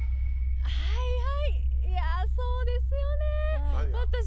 はいはいいやそうですよね。